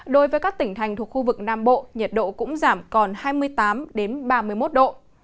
đối với các tỉnh thành thuộc khu vực nam bộ nhiệt độ cũng giảm còn hai mươi tám ba mươi một độ